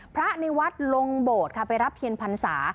พระในวัดลงโบสถ์ค่ะไปรับเทียนพรรษา